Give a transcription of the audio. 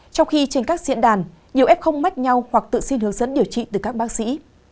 trong khi trên các diễn đàn nhiều f không ngách nhau hoặc tự xin hướng dẫn điều trị từ các bác sĩ